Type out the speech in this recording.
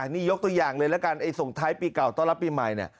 นี่ยกตัวอย่างเลยละกันส่วนท้ายปีเก่าต้อนรับปีใหม่